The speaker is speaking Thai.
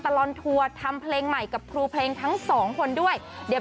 ลอนทัวร์ทำเพลงใหม่กับครูเพลงทั้งสองคนด้วยเดี๋ยว